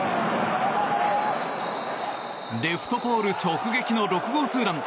レフトポール直撃の６号ツーラン。